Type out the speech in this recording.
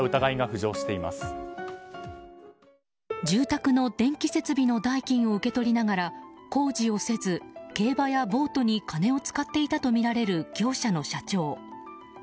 住宅の電気設備の代金を受け取りながら工事をせず、競馬やボートに金を使っていたとみられる業者の社長。